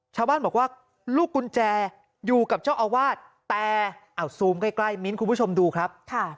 ชาวบ้านบอกว่าลูกกุญแจอยู่กับเจ้าอาวาสแต่เอาซูมใกล้มิ้นท์คุณผู้ชมดูครับ